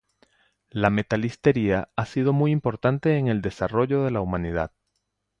La metalistería ha sido muy importante en el desarrollo de la humanidad.